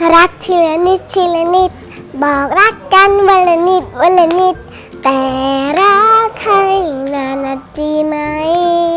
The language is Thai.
รักทีละนิดทีละนิดบอกรักกันวันละนิดวันละนิดแต่รักใครนานนาทีไหม